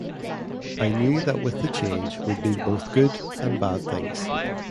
I knew that with the change would be both good and bad things.